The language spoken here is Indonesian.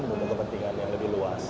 untuk kepentingan yang lebih luas